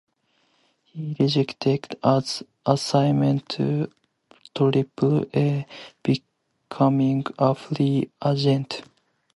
He rejected an assignment to Triple-A, becoming a free agent.